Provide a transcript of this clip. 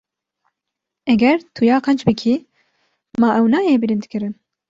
Eger tu ya qenc bikî, ma ew nayê bilindkirin?